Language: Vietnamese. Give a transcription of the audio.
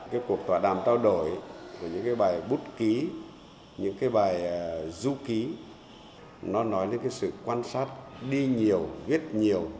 cái cuộc tọa đàm trao đổi của những cái bài bút ký những cái bài du ký nó nói đến cái sự quan sát đi nhiều viết nhiều